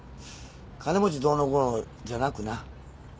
金持ちどうのこうのじゃなくな。